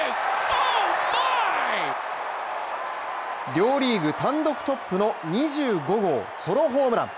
両リーグ単独トップの２５号ソロホームラン。